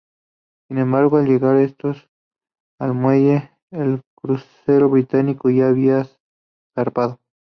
Sin embargo al llegar estos al muelle, el crucero británico ya había zarpado.